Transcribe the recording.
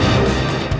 lo sudah bisa berhenti